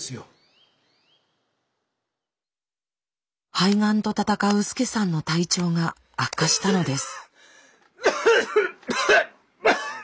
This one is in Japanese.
肺がんと闘うスケサンの体調が悪化したのです。